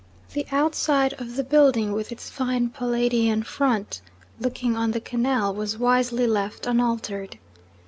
The outside of the building, with its fine Palladian front looking on the canal, was wisely left unaltered.